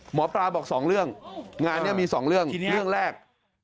หมอปลาบอก๒เรื่องงานนี้มี๒เรื่องเรื่องแรก